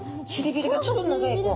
臀びれがちょっと長い子。